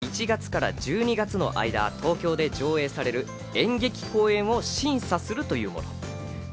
こちらは毎年１月から１２月の間、東京で上演される演劇公演を審査するというもの。